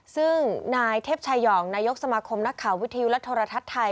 ซึ่งนายเทพชายองนายกสมาคมนักข่าววิทยุและโทรทัศน์ไทย